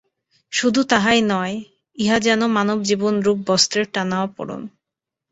শুধু তাহাই নয়, ইহা যেন মানবজীবনরূপ বস্ত্রের টানা ও পোড়েন।